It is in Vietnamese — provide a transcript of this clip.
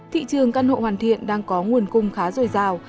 thị trường căn hộ hoàn thiện đang có nguồn cung khá dồi dào